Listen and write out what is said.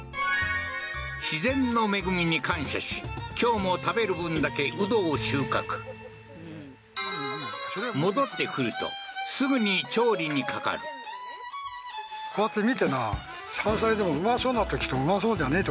自然の恵みに感謝し今日も食べる分だけウドを収穫戻ってくるとすぐに調理にかかるこういうのはな切ってね